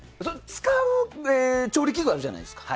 使う調理器具あるじゃないですか。